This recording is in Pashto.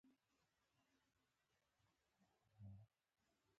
ایټالویانو سیمه یې په خپل واک کې راوستله چې ډېر مهم کار یې وکړ.